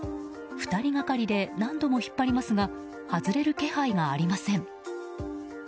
２人がかりで何度も引っ張りますが外れる気配がありません。